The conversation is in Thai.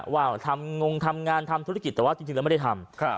ว่าวทำงงทำงานทำธุรกิจแต่ว่าจริงแล้วไม่ได้ทำ